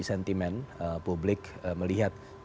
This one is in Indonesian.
sentiment publik melihat